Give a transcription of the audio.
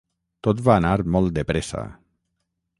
Tot va anar molt de pressa.